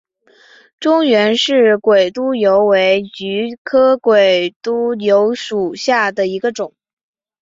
中原氏鬼督邮为菊科鬼督邮属下的一个种。